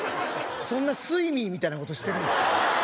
そんなスイミーみたいなことしてるんですか？